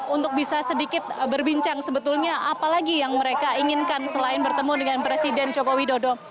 untuk bisa sedikit berbincang sebetulnya apa lagi yang mereka inginkan selain bertemu dengan presiden joko widodo